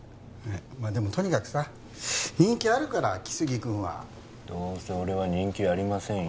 まあでもとにかくさ人気あるから来生君はどうせ俺は人気ありませんよ